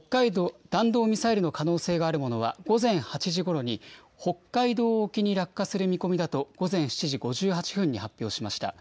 弾道ミサイルの可能性があるものは、午前８時ごろに、北海道沖に落下する見込みだと、午前７時５７分に発表しました。